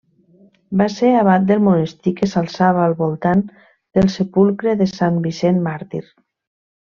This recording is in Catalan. Va ser abat del monestir que s'alçava al voltant del sepulcre de Sant Vicent Màrtir.